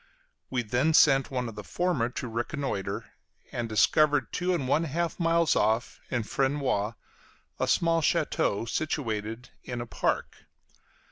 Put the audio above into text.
We then sent one of the former to reconnoitre, and discovered two and one half miles off, in Fresnois, a small château situated an a park.